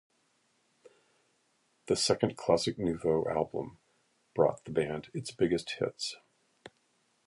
The second Classix Nouveaux album brought the band its biggest hits.